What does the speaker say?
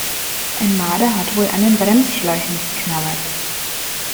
Ein Marder hat wohl an den Bremsschläuchen geknabbert.